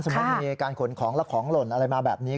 มีการขนของแล้วของหล่นอะไรมาแบบนี้